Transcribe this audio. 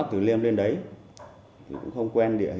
chiều một ngày ba mươi tháng chín kế hoạch